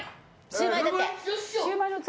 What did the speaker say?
シュウマイだって！